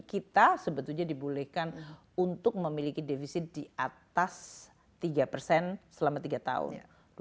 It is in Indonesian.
kita sebetulnya dibolehkan untuk memiliki defisit di atas tiga persen selama tiga tahun